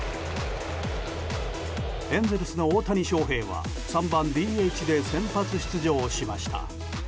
エンゼルスの大谷翔平は３番ＤＨで先発出場しました。